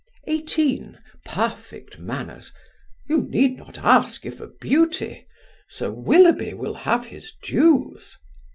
Eighteen, perfect manners; you need not ask if a beauty. Sir Willoughby will have his dues.